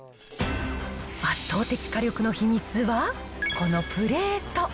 圧倒的火力の秘密は、このプレート。